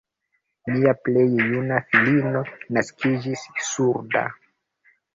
Mia plej juna filino naskiĝis surda.